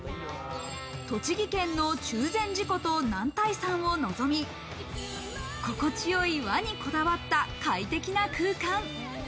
栃木県の中禅寺湖と男体山を望み、心地よい和にこだわった快適な空間。